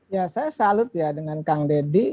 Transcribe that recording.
ya saya salut ya dengan kang deddy